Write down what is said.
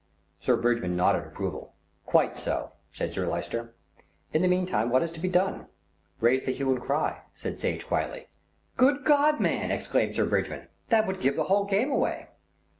Sir Bridgman nodded approval. "Quite so," said Sir Lyster. "In the meantime what is to be done?" "Raise the hue and cry," said Sage quietly. "Good God, man!" exclaimed Sir Bridgman. "It would give the whole game away."